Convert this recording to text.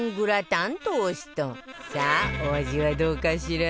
さあお味はどうかしら？